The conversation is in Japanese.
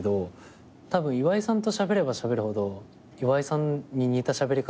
たぶん岩井さんとしゃべればしゃべるほど岩井さんに似たしゃべり方しちゃってます。